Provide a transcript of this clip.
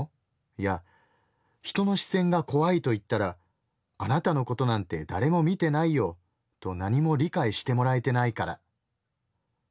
や人の視線が怖いと言ったらあなたのことなんて誰も見てないよとなにも理解してもらえてないから。